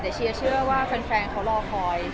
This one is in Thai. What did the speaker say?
แต่เชียร์เชื่อว่าแฟนเขารอคอย